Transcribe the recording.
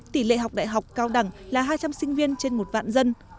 tỷ lệ học đại học cao đẳng là hai trăm linh sinh viên trên một vạn dân